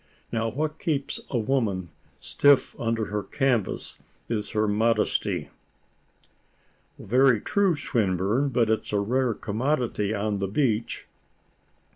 Now, what keeps a woman stiff under her canvas is her modesty." "Very true. Swinburne; but it's a rare commodity on the beach."